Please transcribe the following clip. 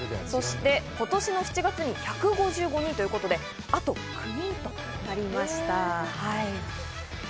今年の７月に１５５人ということで、あと９人となりました。